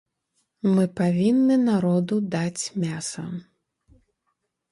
Мы павінны народу даць мяса!